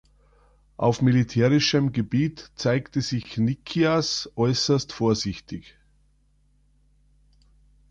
Auf militärischem Gebiet zeigte sich Nikias äußerst vorsichtig.